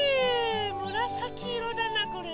むらさきいろだなこれ。